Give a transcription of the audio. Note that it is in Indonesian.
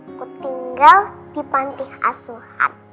aku tinggal di pantih asuhan